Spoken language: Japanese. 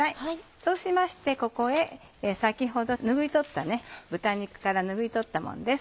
そうしましてここへ先ほど豚肉から拭い取ったものです